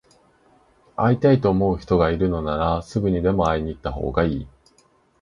会いたいと思う人がいるなら、すぐにでも会いに行ったほうがいい。